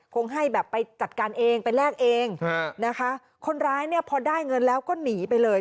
คงให้แบบไปจัดการเองไปแลกเองฮะนะคะคนร้ายเนี่ยพอได้เงินแล้วก็หนีไปเลย